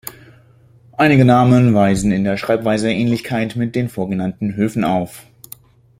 Einige Namen weisen in der Schreibweise Ähnlichkeit mit den vorgenannten Höfen auf.